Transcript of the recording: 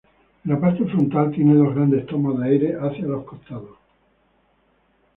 En la parte frontal tiene dos grandes tomas de aire hacia los costados.